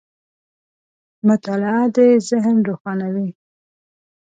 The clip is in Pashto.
• مطالعه د ذهن روښانوي.